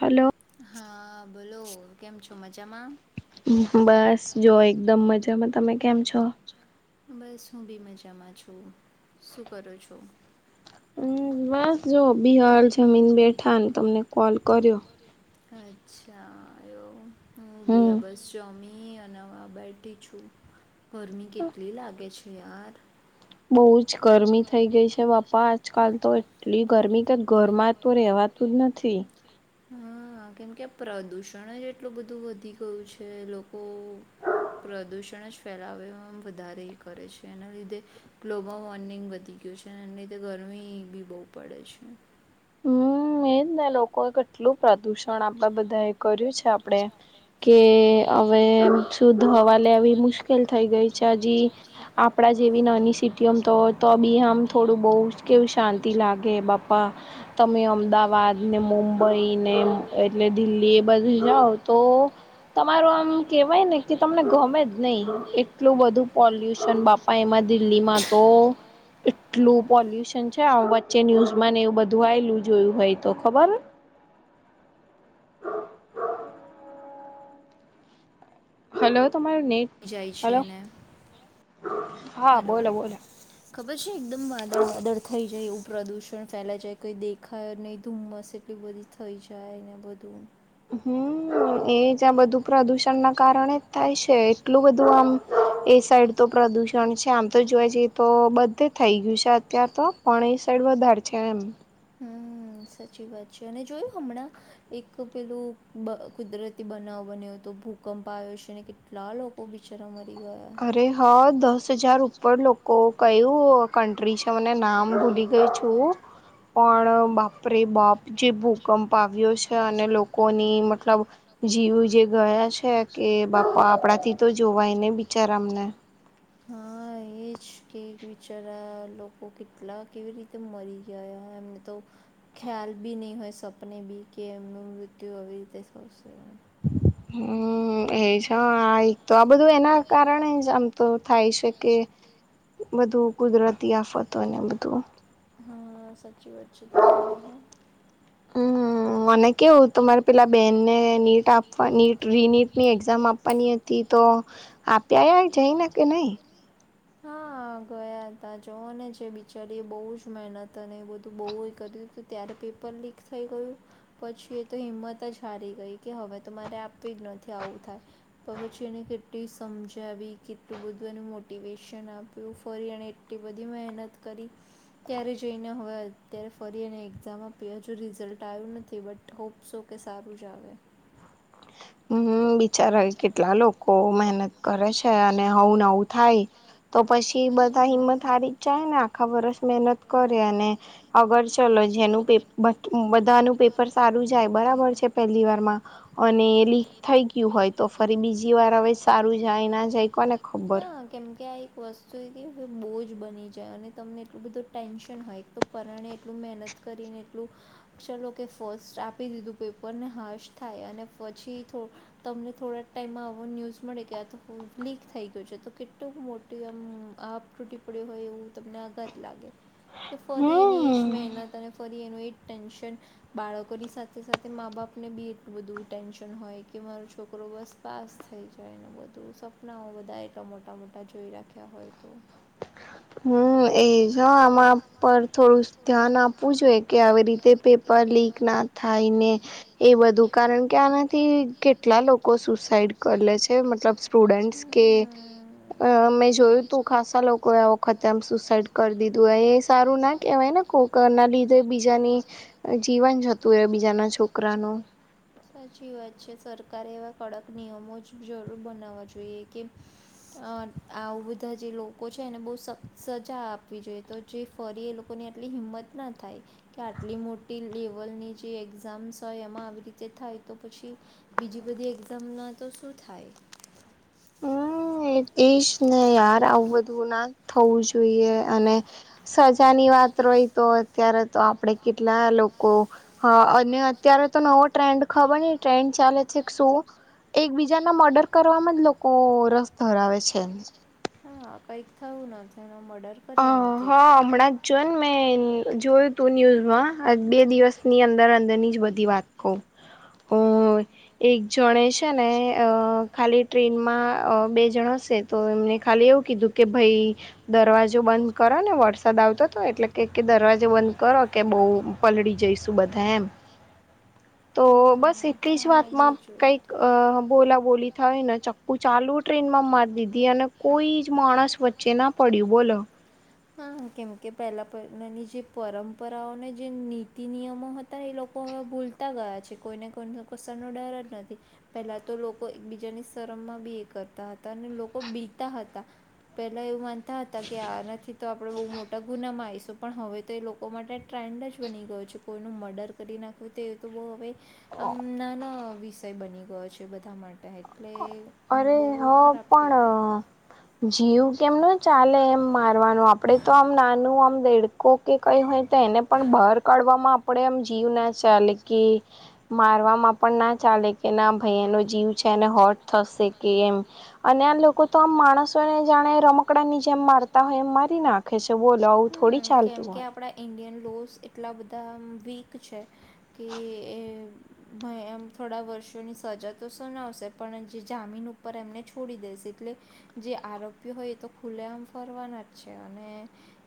Hello. હા, બોલો કેમ છો, મજામાં. બસ જો એકદમ મજામાં, તમે કેમ છો. બસ હું બી મજામાં છું, શું કરું છો? હમ બસ જો બિહાલ, જમીન બેઠા તમને કોલ કર્યો. અચ્છા એ હ બીયા, બસ ચોમીન હ અનાવા બેઠી છું, ગરમી કેટલી લાગે છે, યાર. બહુ જ ગરમી થઈ ગઈ છે. બાપા આજકાલ તો એટલી ગરમી કે ઘરમાં તો રેવાતું નથી. હા કેમકે પ્રદુષણ જ એટલું બધું વધી ગયું છે. લોકો પ્રદૂષણ જ ફેલાવે વધારે એ કરે છે, એના લીધે ગ્લોબલ વોર્મિંગ વધી. એ લીધ ગરમી બી બહુ પડે છે. હમ્મ, એજ ને લોકોએ કેટલું પ્રદુષણ આપે બધા એ કર્યું છે આપણેે કે હવે શુદ્ધ હવા લેવી મુશ્કેલ થઈ ગઈ છે હજી આપડા જેવી નાની સિટીઓમ તોય તો બી આમ થોડું બહ કે શાંતિ. લાગે બાપા તમે અમદાવાદને, મુંબઈ ને એટલે દિલ્હી એ બધી જાઓ તો તમારું આમ કેવાય ને કે તમને ગમે જ નહી એટલું બધું પોલ્યુશન બાપા એમાં દિલ્હીમાં તો એટલું પોલ્યુશન છે. વચ્ચે ન્યુઝમાં એવું બધું ધોવાયેલું જોયું હોય તો ખબર. હલો. તમારું નેટ હલો હા બોલો બોલો. ખબર છે. એકદમ વાદળ વાદળ થઈ જાય એવું પ્રદુષણ ફેલા જાય કોઈ દેખાયો નહીં ધુમ્મસ એટલ એ બધી થઈ જાય એને બધું. હમ્મ. એ જ્યા બધું પ્રદુષણ ના કારણે જ થાય છે. એટલું બધું આમ એ સાઈડ તો પ્રદૂષણ છે આમ તો જોઈ જઈએ તો બધે થઈ ગયું છે, અત્યાર તો પણ એ સાઈડ વધારે છે. એમ હા. સાચી વાત છે. અને જોયું હમણાં એક પેલું કુદરતી બનાવ બન્યો હતો. ભૂકંપ આવ્યો છે અને કેટલા લોકો બિચારામાં અરે હા દસ હજાર ઉપર લોકો કયું કન્ટ્રી છે? મને નામ ભૂલી ગયું છું. પણ બાપરે બાપ! જે ભૂકંપ આવ્યો છે અને લોકોની મતલબ જીવ જે ગયા છે કે બાપા આપણાથી તો જોવાય નહી બિચારાઓને હા એ જ કે બિચારા લોકો કેટલા? કેવી રીતે મરી ગયા? એમને તો ખ્યાલ ભી નહીં હોય સપને ભી કે એમનું મૃત્યુ આવી રીતે થશે. હમ્મ. એજ હ એક તો આ બધું એના કારણે જ આમ તો થાય છે કે બધું કુદરતી આફતોને બધું. હા સાચી વાત છે તમારી હ મને કેવું તો મારે પેલા બેહેનને નીટ આપવા નીટ રીનીટની એક્ઝામ આપવાની હતી તો આપી આવ્યા જઈને કે નઈ? હા. હા ગયા હતા જોવોને એ બિચારીએ બહુ જ મહેનત અને એ બધું બહુ કર્યું હતું ત્યારે પેપર લીક થઈ ગયું પછી એ તો હિંમત જ હારી ગઈ કે હવે તો મારે આપવી જ નથી. આવતી પછી એને કેટલી સમજાવી કેટલું બધું એ મોટીવેટ શન આપ્યું ફરી અને એટલી બધી મહેનત કરી. ત્યારે જઈને હવે અત્યારે ફરી એને એક્ઝામ આપી. હજુ રિઝલ્ટ આવ્યું નથી. બટ હોપ શો તે સારું જ આવે. હમ બિચારા કેટલા લોકો મહેનત કરે છે અને આવું ને આવું થાય. તો પછી બધા હિંમત હારી જ જાય ને આખા વર્ષ મહેનત કરે અને અગર ચલો જેનું પે બધાનું પેપર સારું જાય બરાબર છે. પહેલી વારમાં અને એ લીક થઈ ગયું હોય તો ફરી બીજી વાર હવે સારું જાય ના જાય કોને હા કેમ કે આ વસ્તુ એટલે કે બોજ બની જાય અને તમને એટલું બધું ટેન્શન હોય એક તો પરણે એટલું મહેનત કરી એટલું ચલો કે ફસ્ટ આપી દીધું પેપરને હાશ થાય અને પછી. કો તમને થોડા ટાઈમમાં આવો ન્યૂઝ મળે ગયા તો લીક થઈ ગ યો છે તો કેટલું મોટી આમ આભ તૂટી પડ્યું હોય એવું તમને આઘાત લાગે. કે ફરી એની એ જ મહેનત અને ફરી એનું એ ટેન્શન બાળકોની સાથે સાથે મા બાપને બી એટલું બધું ટેન્શન હોય કે મારો છોક રો બસ પાસ થઈ જાય ને બધું સપનાઓ બધાએ તા મોટા મોટા જોઈ રાખ્યા હોય તો. હમ્મ એજો આમાં પર થોડું ધ્યાન આપવું જોઈએ કે આવી રીતે પેપર પર લીક ના થાય ને એ બધું કારણ કે આનાથી કેટલા લોકો સુસાઈડ કરલે છે. મતલબ સ્ટુડન્ટ કે અહ મેં જોયુતું ખાસ્સા લોકોએ આવ ખતમ સુસાઈડ કરી દીધું હોય એ સારું ના કહેવાય ને કોઈકના લીધે બીજાની અહ જીવન જતું હોય બીજાના છોકરાનું. સાચી વાત છે. સરકારે એવા કડક નિયમો જ જરૂર બનાવવા જોઈએ કે અહ આવું બધા જે લોકો છે એને બહુ સખ્ત સજા આપવી જોઈએ તો જે ફરીએ લોકોને આટલી હિંમત ના થાય કે આટલી મોટી લેવલની જે એક્ઝામ્સ હોય એમાં આવી રીત તે થાય તો પછી બીજી બધી એક્ઝામના તો શું થાય? [inaudible] એજ એજ ને યાર આવું બધું ના થવું જોઈએ અને સજાની વાત આ ટ્રોઈ તો અત્યારે તો આપણે કેટલા લોકો અને અત્યારે તો નવો ટ્રેન્ડ ખબર નય ટ્રેન્ડ ચાલે છે શું, એક બીજાના મર્ડર કરવાવામાં જ લોક કો રસ ધરાવે છે. હા, કંઈક થયું નથે આહ હા હમણાં જોન મેં અહ જોયુતું ન્યૂઝમાં આ બે દિવસની અંદર અંદરની જ બધી વાત કહુ ઓહ એક જણે છેને અહ ખાલી ટ્રેનમાં અહ બે જણા સે તો એમને ખાલી એવું કીધું કે ભાઈ દરવાજા જો બંધ કરો ને વરસાદ આવતો હતો એટલે કે દરવાજો બંધ કરો કે બહુ પલળી જઈશું બ ધા એમ તો બસ એટલી જ વાતમાં કઈક અહ બોલા બોલી થઈને ચક્કું ચાલુ ટ્રેનમાં મારી દીધી અને કોઈ જ માણસ વચ્ચે ના પડ્યું બોલો. હા કેમ કે પહેલા પની જે પરંપરાઓને જે નીતિ નિયમો હતા એ લોક કો હવે ભૂલતા ગયા છે. કોઈને કોનો કોસો નો ડર જ નથી. પેલા તો લોકો એકબીજાની સર રમ માં બી એ કરતા હતા અને લોકો બીતા હતા. પેલા એવું માનતા હતા કે આનાથી તો આપડણે બહુ મોટા ગુનામાં આવીશું પણ હવે તો એ લોકો માટે ટ્રેન્ડ જ બની ગયો છે કોઈનું મર્ડર કરી નાકુ તે તો બો હવે આમ નાનો વિષય બની ગયો છે બધા મા ટે એટલે બહુ ખરાબ કહેવાય. જીવ કેમ ન ચાલે એમ મારવાનું આપણે તો આમ નાનું આમ દેડકો કે કઈ હોય તો એને પણ બહાર કાઢવામાં આપણે એમ જીવ ના ચાલે કે મારવામાં પણ ના ચાલે કે ના ભાઈ એનો જીવ છે ને હોટ થશે કે એમ અને આ લોકો તો આમ માણસોને જાણે રમકડા ની જેમ મારતા હોય એમ મારી નાખે છે બોલો આઉં હમ્મ, કેમ કે આપડા ઇન્ડિયન રુલ્સ એટલા બધા આમ વીક છે કે એ મેં એમ થોડા વર શો ની સજા તો સનાવશે પણ જે જામીન ઉપર એમને છોડી દેશે એટલે જે આરોપ પી હોય એ તો ખુલે આમ ફરવાના જ છે અને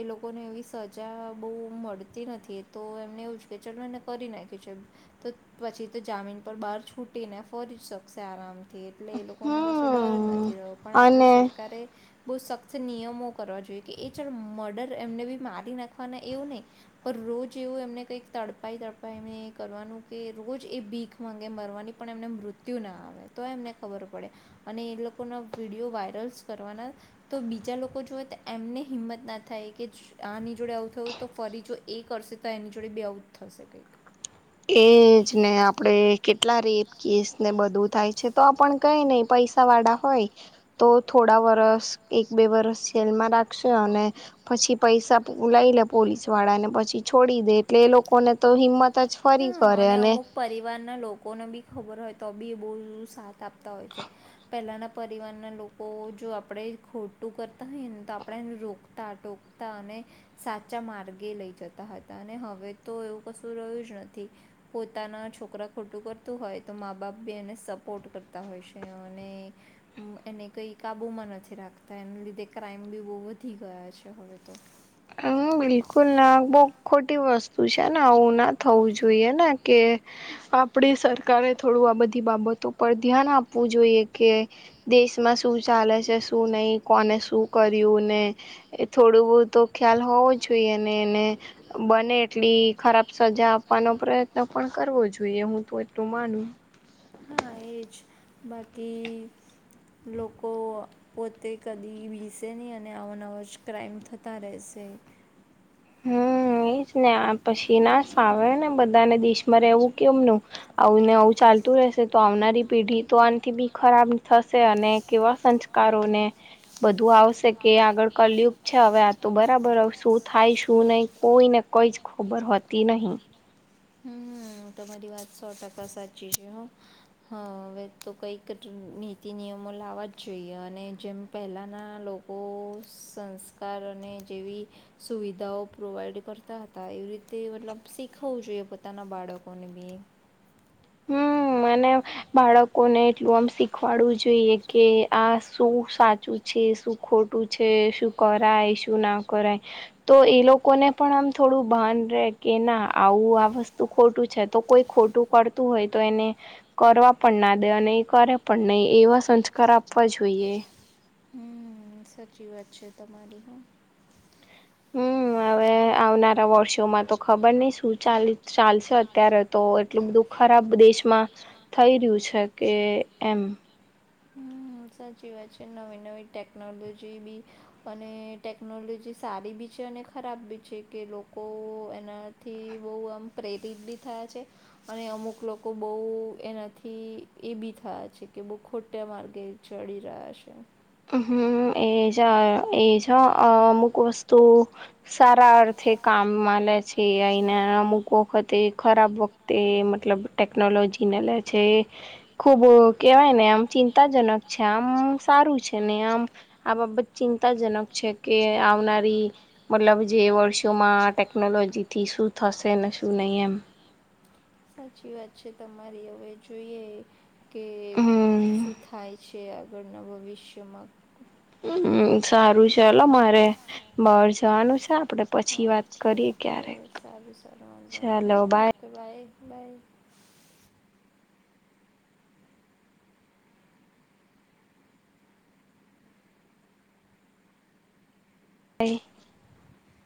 એ લોક કોને એવી સજા બહ મળતી નથી તો એમને એવું કે ચ મેં એને કરી નાખ્યું છે. તો પછી તો જામીન પર બહાર છૂટીને ફરી શકશે આરામ થી એટલે એ લોકોને કશો ડર નથી રહ્યો પણ આપણે સરકારે બહુ સખ્ત નિયમો કરવા જોઈએ કે એ ચલ મર્ડર તો એમને બી મારી નાખવાના એવું નહી પણ રોજ એવું એમને કક તડપાઈ તડપાઈ ને કરવા નું કે રોજ એ ભીખ માંગે મરવાની પણ એમને મૃત્યુ ના આવે તો એમને ખબર પડે અને એ લોકો ના વિડીયો વાયરલ કરવાના તો બીજા લોકો જોએ તો એમને હિંમત ના થાય કે આની જોડે આવું થયું તો ફરી જો એ કરશે તો એની જોડે બે આવુંટ થશે કઈક એજ ને આપડે કેટલા રેપ કેસ ને બધું થાય છે તો આપણ કઈ નહી પ પૈસા વાળા હોય તો થોડા વરસ એક બે વરસ જેલમાં રાખશે અને પછી પૈસા લઈ લે પોલીસ વાળા ને પછી છોડી દે એટલે એ લોકોને તો હિંમત જ હ અને અમુક પરિવાર ના લોકોને બી ખબર હો તો બી એ બહુ સાથ આપતા હોય છે પહેલાંના પરિવારના લોકો જો આપણે ખોટ ટ કરતા હોઈએ ને તો આપણે એને રોકતા ટોકતા અને સાચા માર્ગે લઈ જતા હતા. અને હવે તો એવું કશું રહ્યું જ નથી. પોતાના છોકરા ખોટું કરતું હોય તો મા બાપ બી એને સપોર્ટ કરતા હોય છે. અને એને કંઈ કાબૂમાં નથી રાખતા એના લીધે ક્રાાઈમ બી બહુ વધી ગયા છે. [inaudible] બિલકુલ ના બહ ખોટી વસ્તુ છે ને આવું ના થવું જોઈએ ને કે આપડી સરકારે થોડું આ બધી બાબતો પર ધ્યાન આપવું જોઈએ કે દેશમાં શ શું ચાલે છે શું નહીં કોને શું કર્યું ને એ થોડું બહું તો ખ્યાલ હોવો જોઈએ ને એને બને એટલી ખરાબ સજા આપવાનો પ્રયત્ન પણ કરવો જોઈએ હું તો એટલું માનું. [inaudible] બાકી લોકો પોતે કદી ભીસે નહી અને અનવજ ક્રાઈમ થતા રહેશે. [inaudible] હમ. ને આ પછી ના સા આવે ને બધાને દિેશમાં ર રહેવું કેમ ન આવું ને આવું ચા શે તો આવનારી પેઢી તો આનથી બી ખરાબ થશે અને કેવા સંસ્કારોને બધું આવશે કે આગળ કલયુગ છે હવે આ તો બરાબર શું થાય શુ શું નહી કોઈને કઈ જ ખબર હોતી નહી તમારી વાત સો ટકા સાચી છે હા હવે તો કઈક નીની નિયમો લાવવા જ જોઈએ અને જેમ પહેલાના લોકો સંસ્કાર અને જેવી સુવિધાઓ પ્રોવાઈડ કરતા હતા એવી રીતે મતલબ શીખવવું જોઈએ પોતાના બાળકો કોણવી મને બાળકો ને એટલું આમ શીખવાડવું જોઈએ કે આ શું સાચું છે શું ખોટું છે શું કરાય શું ના કરાય તો એ લોકોને પણ આમ થો ડુ ભાન રે કે ના આવું આ વસ્તુ ખોટું છે તો કોઈ ખોટું કર તુ હોય તો એને કરવા પણ ના દે અને એ કરે પણ નહીં એવા સંસ્કાર આપવા જોઈએ. બે સાચી વાત છે તમારી. હવે આવનારા વર્ષોમાં તો ખબર નહી શું ચાલી ચાલશે અત્યારે તો એટલું બધું ખરાબ દેશમાં થઈ રહ્યું છે કે એમ હમ સાચી વાત છે નવી નવી ટેકનોલોજી બી અને ટેકનોલોજી સારી બી છે અને ખરાબ બી છે કે લોકો એનાથી બોવ આમ પ્રેરિત બી થયા છે અને અમુક લોકો બોવ એનાથી એ બી થયા છે કે બહુ ખોટા માર્ગે ચડી રહ્યા છે. હમ એજ એજ અમુક વસ્તુ સારા અર્થે કા મ લે છે અહીના અમુક વખતે ખરાબ વખતે મતલબ ટેકનોલોજીને મલે છે ખુબ કેવાય ને આમ ચિંતાજનક છે આમ સારું છે. ને આમ આ બાબત ચિંતાજનક છે કે આવનારી મતલબ જે વર્ષો માં ટેકનોલોજી થી શું થશે ને શું નય એમ સાચી વાત છે તમારી હવે જોઈએ કે શું થાય છે. જે આગળના ભવિષ્યમાં હમ સારું છે હલો મારે બહાર જવાનું છે. ઓકે ઓકે સારું સારું વાધો નય હ‌ ઓકે બાય બાઈ બાઈ